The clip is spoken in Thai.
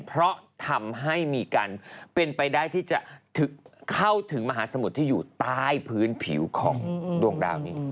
เพราะทำให้มีการเป็นไปได้ที่จะเข้าถึงมหาสมุทรที่อยู่ใต้พื้นผิวของดวงดาวนี้